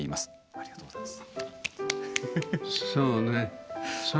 ありがとうございます。